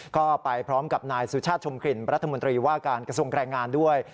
ก็ไปพร้อมกับนายสุชาติชมกลิ่นรัฐมนตรีว่าการกระทรวงแรงงานด้วย